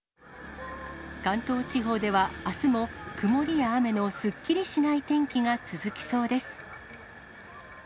関東地方ではあすも曇りや雨のすっきりしない天気が続きそうです。